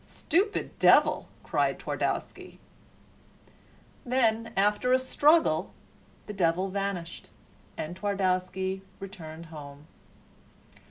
"Stupid devil!" cried Twardowski. Then after a struggle the devil vanished and Twardowski returned home.